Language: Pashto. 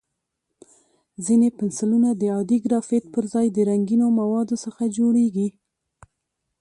ځینې پنسلونه د عادي ګرافیت پر ځای د رنګینو موادو څخه جوړېږي.